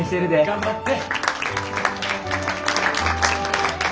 頑張って！